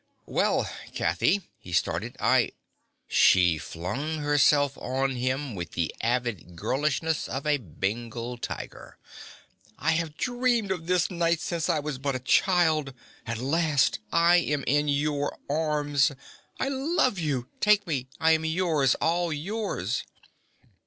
"Well, Kathy," he started. "I " She flung herself on him with the avid girlishness of a Bengal tiger. "I have dreamed of this night since I was but a child! At last I am in your arms! I love you! Take me! I am yours, all yours!"